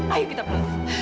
ayo kita berdua